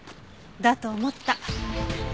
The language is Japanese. だと思った。